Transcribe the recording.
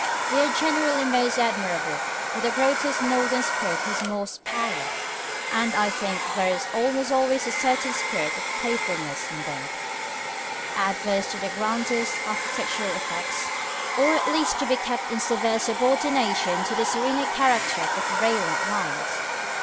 They are generally most admirable where the grotesque Northern spirit has most power; and I think there is almost always a certain spirit of playfulness in them, adverse to the grandest architectural effects, or at least to be kept in severe subordination to the serener character of the prevalent lines.